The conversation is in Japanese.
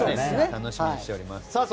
楽しみにしております。